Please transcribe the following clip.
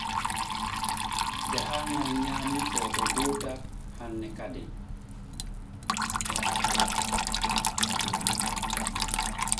Jahaaŋal nyaamii footo goota hanne kaden.